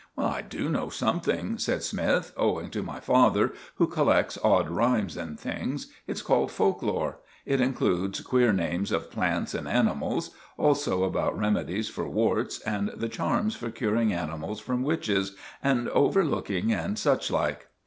"I do know something," said Smythe, "owing to my father, who collects odd rhymes and things. It's called folklore. It includes queer names of plants and animals; also about remedies for warts, and the charms for curing animals from witches, and overlooking, and suchlike.